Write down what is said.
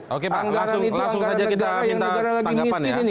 anggaran itu anggaran negara yang negara lagi miskin